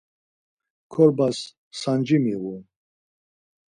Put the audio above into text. Korbas sanci miğun.